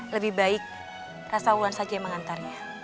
lebih baik rasa wulan saja yang mengantarnya